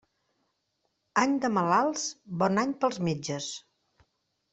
Any de malalts, bon any pels metges.